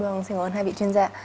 vâng xin cảm ơn hai vị chuyên gia